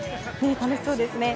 楽しそうですね。